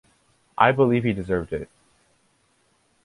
I believe he deserved it'.